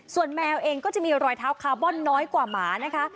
ส่วนแมวเองก็จะมีรอยเท้าคาร์บอนน้อยกว่าหมานะคะ